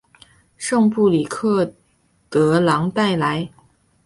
圣布里克德朗代莱。